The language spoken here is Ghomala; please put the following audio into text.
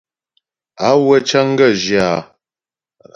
Awə̂ cəŋ gaə̂ zhyə áa.